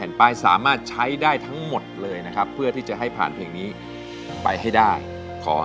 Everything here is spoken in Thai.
แทบจะไม่เคยฟังเลยครับแทบจะไม่เคยฟังเลยครับแทบจะไม่เคยฟังเลยครับแทบจะไม่เคยฟังเลยครับแทบจะไม่เคยฟังเลยครับ